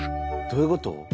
どういうこと？